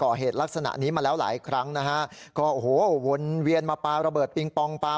ก่อเหตุลักษณะนี้มาแล้วหลายครั้งนะฮะก็โอ้โหวนเวียนมาปลาระเบิดปิงปองปลา